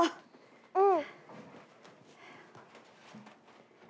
うん。